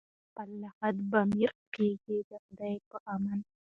پر خپل لحد به مي رپېږمه د خدای په امان